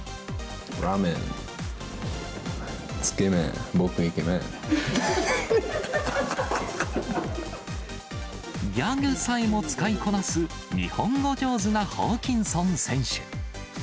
ラーメン、つけ麺、僕イケメギャグさえも使いこなす、日本語上手なホーキンソン選手。